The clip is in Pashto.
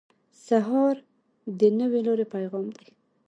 سهار د نوې لارې پیغام دی.